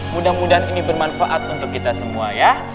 mudah mudahan ini bermanfaat untuk kita semua ya